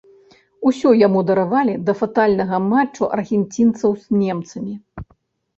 Усё яму даравалі да фатальнага матчу аргенцінцаў з немцамі.